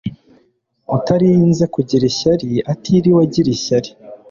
Utarinze kugira ishyari atiriwe agira ishyari